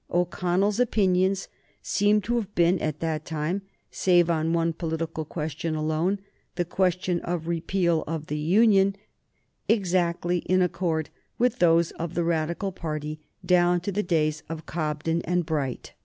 O'Connell's opinions seem to have been at that time, save on one political question alone the question of Repeal of the Union exactly in accord with those of the Radical party down to the days of Cobden and Bright.